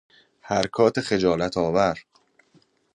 حرکات خجالت آور